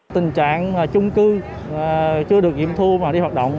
tình trạng chung cư chưa được nghiệm thu mà đi hoạt động